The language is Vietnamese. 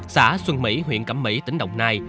xã xuân mỹ huyện cẩm mỹ tỉnh đồng nai